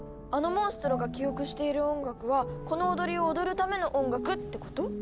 あのモンストロが記憶している音楽はこの踊りを踊るための音楽ってこと？